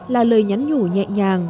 là lời nhắn nhủ nhẹ nhàng